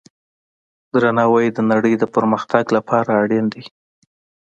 درناوی د نړۍ د پرمختګ لپاره اړین دی.